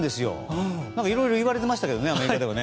いろいろ言われてましたけどアメリカでは。